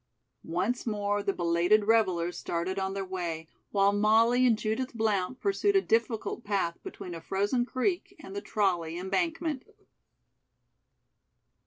Once more the belated revellers started on their way, while Molly and Judith Blount pursued a difficult path between a frozen creek and the trolley embankment.